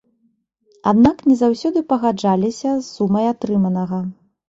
Аднак не заўсёды пагаджаліся з сумай атрыманага.